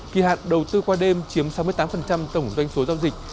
kỳ hạn đầu tư qua đêm chiếm sáu mươi tám tổng doanh số giao dịch